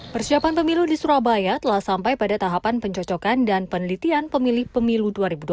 persiapan pemilu di surabaya telah sampai pada tahapan pencocokan dan penelitian pemilih pemilu dua ribu dua puluh